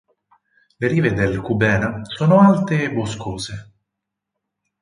Le rive del Kubena sono alte e boscose.